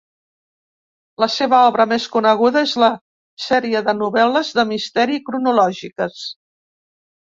La seva obra més coneguda és la sèrie de novel·les de misteri cronològiques.